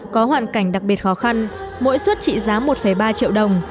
có hoạn cảnh đặc biệt khó khăn mỗi xuất trị giá một ba triệu đồng